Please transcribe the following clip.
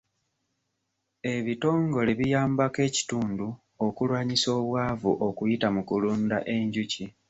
Ebitongole biyambako ekitundu okulwanyisa obwavu okuyita mu kulunda enjuki.